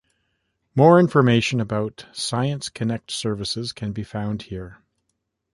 More information about Science Connect services can be found here.